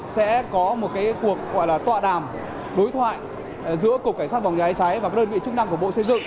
sẽ có một cuộc tọa đàm đối thoại giữa cục cảnh sát phòng cháy cháy và đơn vị chức năng của bộ xây dựng